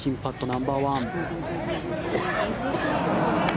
ナンバーワン。